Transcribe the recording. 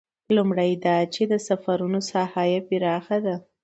لومړی دا چې د سفرونو ساحه یې پراخه ده.